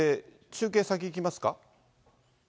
中継、先いきますか？